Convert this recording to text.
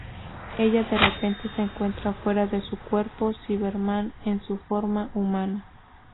Ella de repente se encuentra fuera de su cuerpo Cyberman en su forma humana.